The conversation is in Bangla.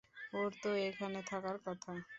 ওর তো এখানে থাকার কথা।